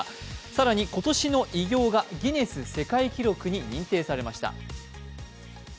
更に今年の偉業がギネス世界記録に認定されました。